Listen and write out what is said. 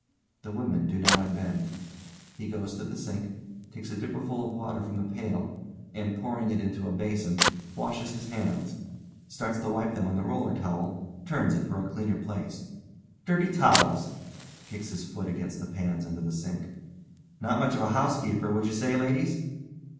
(_the women do not unbend. He goes to the sink, takes a dipperful of water from the pail and pouring it into a basin, washes his hands. Starts to wipe them on the roller towel, turns it for a cleaner place_) Dirty towels! (kicks his foot against the pans under the sink) Not much of a housekeeper, would you say, ladies?